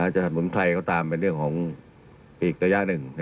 สมุนไพรก็ตามเป็นเรื่องของอีกระยะหนึ่ง